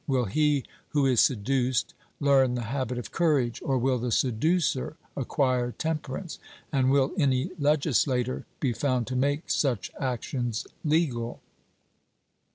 Will he who is seduced learn the habit of courage; or will the seducer acquire temperance? And will any legislator be found to make such actions legal?